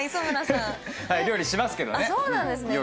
料理しますけどね。